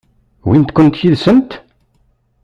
Wwint-kent yid-sent?